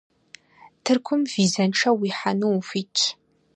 Тыркум визэншэу уихьэну ухуитщ.